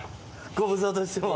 ご無沙汰してます。